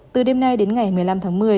từ đêm nay đến ngày một mươi năm tháng một mươi